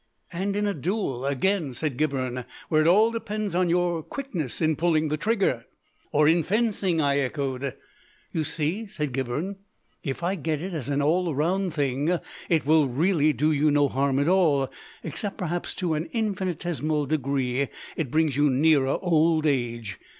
"And in a duel, again," said Gibberne, "where it all depends on your quickness in pulling the trigger." "Or in fencing," I echoed. "You see," said Gibberne, "if I get it as an all round thing it will really do you no harm at all except perhaps to an infinitesimal degree it brings you nearer old age.